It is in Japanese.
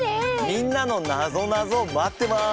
みんなのなぞなぞ待ってます！